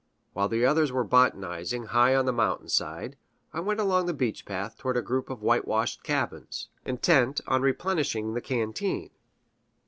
While the others were botanizing high on the mountain side, I went along a beach path toward a group of whitewashed cabins, intent on replenishing the canteen.